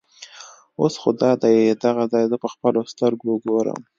اوس خو دادی دغه ځای زه په خپلو سترګو ګورم.